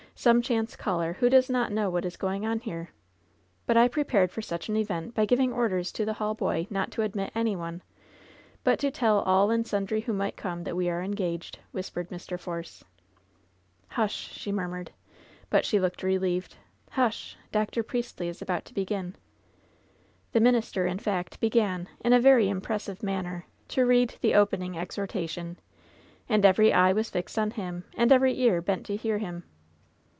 Some chance caller, who does not know what is going on here. But I prepared for such an event by giving orders to the hall boy not to admit any one, but to tell all and sundry who might come that we are engaged," whispered Mr. Force. "Hush!" she murmured, but she looked relieved. "Hush ! Dr. Priestly is about to begin." The minister, in fact, began, in a very impressive manner, to read the opening exhortation, and every eye was fixed upon him and every ear bent to hear him.